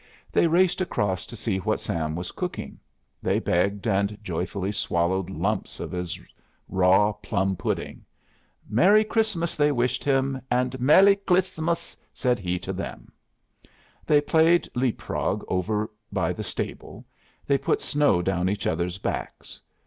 They raced across to see what Sam was cooking; they begged and joyfully swallowed lumps of his raw plum pudding. "Merry Christmas!" they wished him, and "Melly Clismas!" said he to them. They played leap frog over by the stable, they put snow down each other's backs.